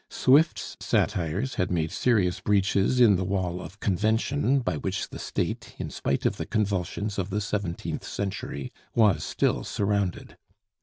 Swift's satires had made serious breaches in the wall of convention by which the State, in spite of the convulsions of the seventeenth century, was still surrounded.